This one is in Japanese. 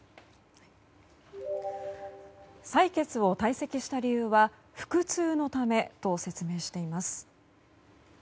採決を退席した理由は腹痛のためと説明しています。